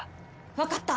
わかった！